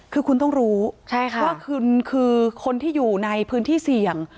คือคุณต้องรู้ว่าคุณคือคนที่อยู่ในพื้นที่เสี่ยง